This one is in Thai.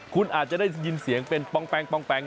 คุณอาจจะได้ยินเสียงเป็นปองแปง